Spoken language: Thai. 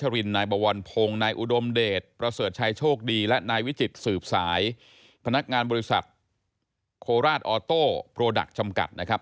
ราชออโต้โปรดักต์ชำกัดนะครับ